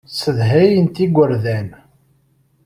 Ssedhayent igerdan.